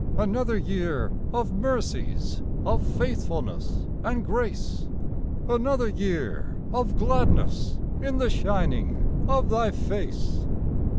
Another year of mercies, Of faithfulness and grace; Another year of gladness In the shining of Thy face.